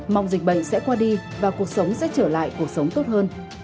mong dịch bệnh sẽ qua đi và cuộc sống sẽ trở lại cuộc sống tốt hơn